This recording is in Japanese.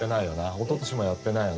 おととしもやってないよな？